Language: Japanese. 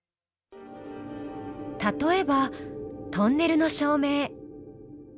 例えばトンネルの照明。